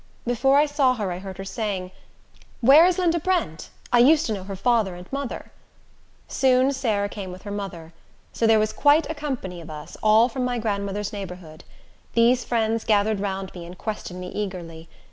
Before I saw her, I heard her saying, "Where is Linda Brent? I used to know her father and mother." Soon Sarah came with her mother. So there was quite a company of us, all from my grandmother's neighborhood. These friends gathered round me and questioned me eagerly.